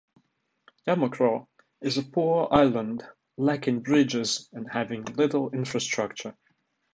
Yamacraw is a poor island lacking bridges and having little infrastructure.